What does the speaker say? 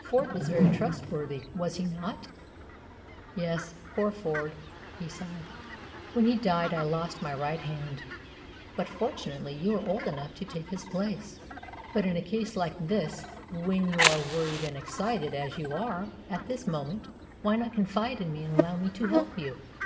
"Ford was very trustworthy, was he not?" "Yes, poor Ford," he sighed. "When he died I lost my right hand. But fortunately you were old enough to take his place." "But in a case like this, when you are worried and excited, as you are at this moment, why not confide in me and allow me to help you?"